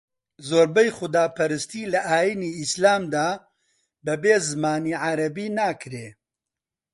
زۆربەی زۆری خوداپەرستی لە ئاینی ئیسلامدا بەبێ زمانی عەرەبی ناکرێ